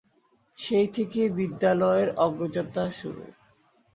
সেই থেকেই বিদ্যালয়ের অগ্রযাত্রা শুরু।